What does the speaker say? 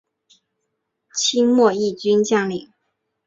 清末毅军将领。